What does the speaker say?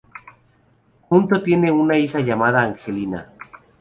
Juntos tiene una hija llamada Angelina.